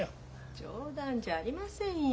冗談じゃありませんよ。